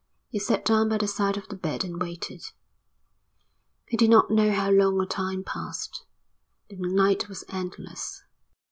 He sat down by the side of the bed and waited. He did not know how long a time passed. The night was endless.